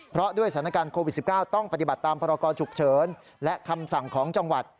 เพราะด้วยสถานการณ์โควิด๑๙ต้องปฏิบัติตามพรกรฉุกเฉินและคำสั่งของจังหวัด